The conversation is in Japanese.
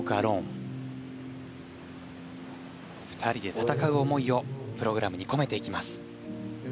２人で戦う思いをプログラムに込めていきます。